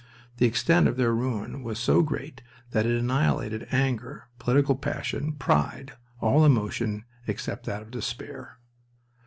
The extent of their ruin was so great that it annihilated anger, political passion, pride, all emotion except that of despair.